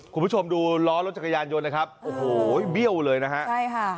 คุณผู้ชมดูล้อรถจักรยานยนต์นะครับโอ้โหเบี้ยวเลยนะฮะใช่ค่ะ